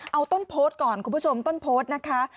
เอาต้นโพสต์ก่อนคุณผู้ชมต้นโพสต์นะคะ